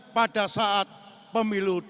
pada saat pemilu